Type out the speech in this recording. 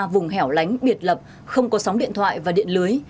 vùng hẻo lánh biệt lập không có sóng điện thoại và điện lưới